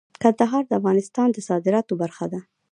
کندهار د افغانستان د صادراتو برخه ده.